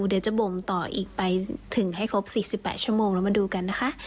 เดี๋ยวจะบ่มต่ออีกไปถึงให้ครบ๔๘ชั่วโมงแล้วมาดูกันนะคะ